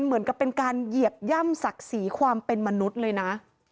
เหมือนกับเป็นการเหยียบย่ำศักดิ์ศรีความเป็นมนุษย์เลยนะ